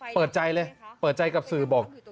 เปิดใจเลยเปิดใจกับสื่อบอก